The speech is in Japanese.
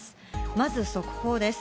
まず速報です。